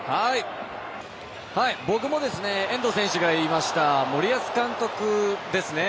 僕も遠藤選手が言いました森保監督ですね。